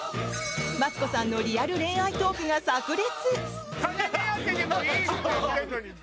マツコさんのリアル恋愛トークが炸裂？